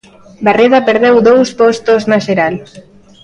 Barreda perdeu dous postos na xeral.